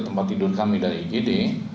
tempat tidur kami dari igd